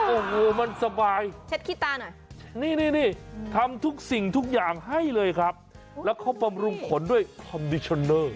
โอ้โหมันสบายเช็ดขี้ตาหน่อยนี่นี่ทำทุกสิ่งทุกอย่างให้เลยครับแล้วเขาบำรุงขนด้วยคอมดิชันเนอร์